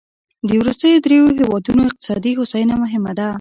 د وروستیو دریوو هېوادونو اقتصادي هوساینه مهمه ده.